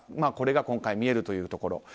これが今回見えるというところ。